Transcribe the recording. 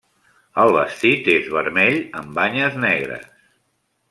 El vestit és vermell, amb banyes negres.